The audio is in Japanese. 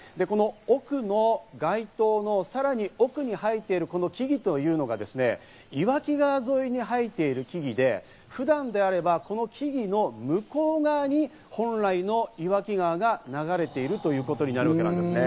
多くの街灯のさらに奥に生えている木々というのが岩木川沿いに生えている木々で普段であれば、この木々の向こう側に本来の岩木川が流れているということになるわけですね。